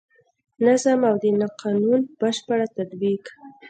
نظم او د قانون بشپړ تطبیق.